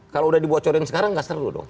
kalau udah dibocorin sekarang gak seru loh